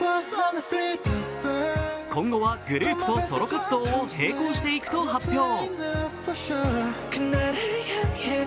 今後はグループとソロ活動を並行していくと発表。